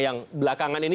yang belakangan ini